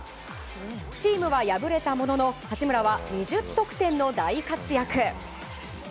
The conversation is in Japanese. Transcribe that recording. チームは敗れたものの八村は２０得点の大活躍。